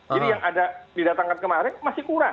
jadi yang ada didatangkan kemarin masih kurang